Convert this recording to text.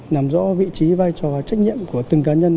làm rõ vị trí vai trò trách nhiệm của từng cá nhân